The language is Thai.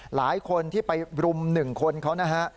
หลายคนที่ไปรุม๑คนเขานะฮะ